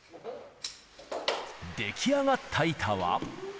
出来上がった板は。